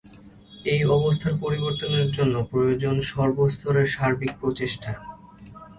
এই অবস্থার পরিবর্তনের জন্য প্রয়োজন সর্বস্তরে সার্বিক প্রচেষ্টা।